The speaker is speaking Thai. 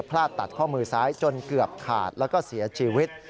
พลาดตัดข้อมือซ้ายจนเกือบขาดแล้วก็เสียชีวิต